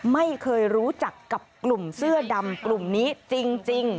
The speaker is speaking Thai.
ไม่เคยรู้จักกับกลุ่มเสื้อดำกลุ่มนี้จริง